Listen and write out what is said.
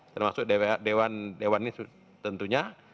termasuk dewan dewan ini tentunya